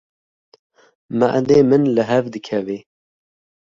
Madê min li hev dikeve.